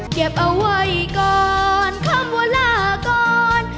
เก็บเอาไว้ก่อนคำว่าลาก่อน